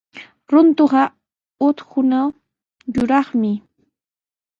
Runtuqa utkunaw yuraqmi.